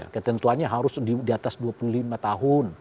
ketentuannya harus di atas dua puluh lima tahun